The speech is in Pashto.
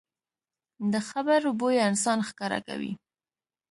د خبرو بویه انسان ښکاره کوي